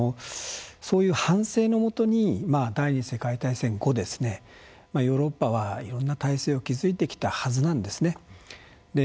そういう反省のもとに第２次世界大戦後ヨーロッパはいろんな態勢を築いてきたはずなんですね。